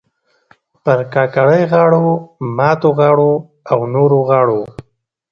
پر کاکړۍ غاړو، ماتو غاړو او نورو غاړو